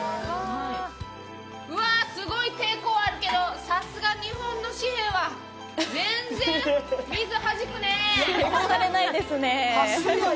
すごい、抵抗あるけどさすが日本の紙幣は全然、水をはじくね。